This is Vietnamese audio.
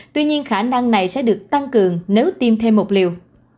tuy nhiên khả năng này sẽ được tăng cường nếu tiêm thêm một liều